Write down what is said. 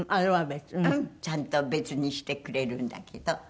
ちゃんと別にしてくれるんだけど。